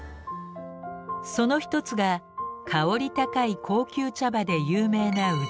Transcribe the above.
その一つが香り高い高級茶葉で有名な宇治茶。